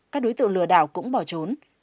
các đối tượng lừa đảo cũng bỏ trốn